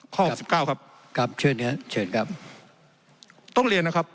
หกสิบเก้าครับครับเชิญเนื้อเชิญครับต้องเรียนนะครับ